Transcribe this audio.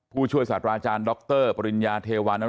ผู้ช่วยศาสตราอาจารย์ดรปริญญาเทวาน